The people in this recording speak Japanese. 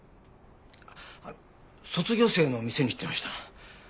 あっ卒業生の店に行ってました。